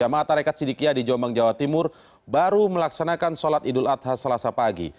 jemaah tarekat sidikiyah di jombang jawa timur baru melaksanakan sholat idul adha selasa pagi